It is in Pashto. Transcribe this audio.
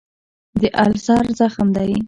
د السر زخم دی.